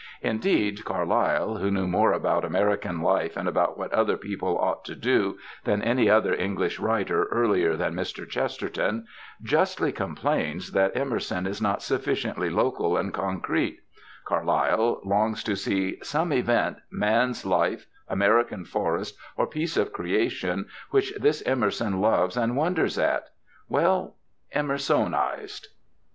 Indeed Carlyle (who knew more about American life and about what other people ought to do than any other British writer earlier than Mr. Chesterton) justly complains that Emerson is not sufficiently local and concrete; Carlyle longs to see "some Event, Man's Life, American Forest, or piece of creation which this Emerson loves and wonders at, well _Emersonised.